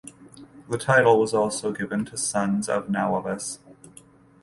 The title was also often given to sons of Nawabs.